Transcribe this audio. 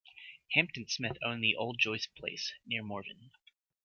Hampton Smith owned the Old Joyce Place near Morven.